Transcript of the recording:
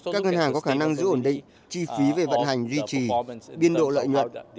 các ngân hàng có khả năng giữ ổn định chi phí về vận hành duy trì biên độ lợi nhuận